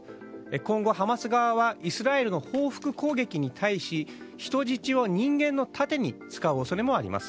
今後、ハマス側はイスラエルの報復攻撃に対し人質を人間の盾に使う可能性もあります。